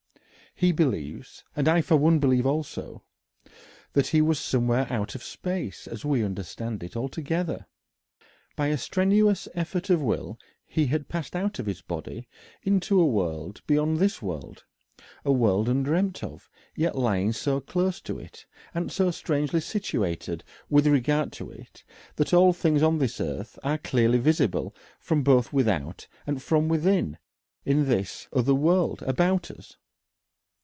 He believes, and I for one believe also, that he was somewhere out of space, as we understand it, altogether. By a strenuous effort of will he had passed out of his body into a world beyond this world, a world undreamt of, yet lying so close to it and so strangely situated with regard to it that all things on this earth are clearly visible both from without and from within in this other world about us.